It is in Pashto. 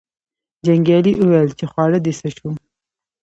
جنګیالي وویل چې خواړه دې څه شو.